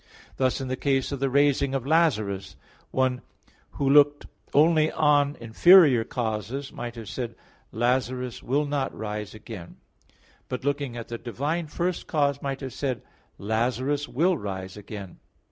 Thus in the case of the raising of Lazarus, one who looked only on inferior causes might have said: "Lazarus will not rise again," but looking at the divine first cause might have said: "Lazarus will rise again."